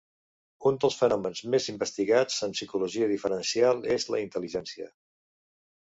Un dels fenòmens més investigats en Psicologia Diferencial és la intel·ligència.